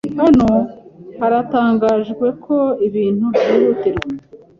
Hano haratangajwe ko ibintu byihutirwa.